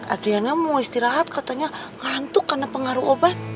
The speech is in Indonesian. adriana mau istirahat katanya ngantuk karena pengaruh obat